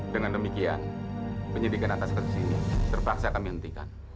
dengan demikian penyidikan atas kasus ini terpaksa kami hentikan